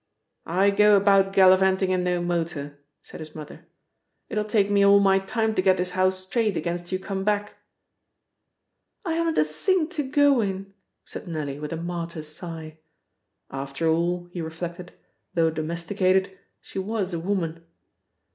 "I go about gallivanting in no motor," said his mother. "It'll take me all my time to get this house straight against you come back." "I haven't a thing to go in!" said Nellie with a martyr's sigh. After all (he reflected), though domesticated, she was a woman.